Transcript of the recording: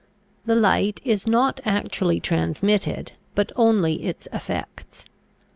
The light is not actually transmitted, but only its effects.